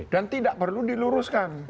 dan tidak perlu diluruskan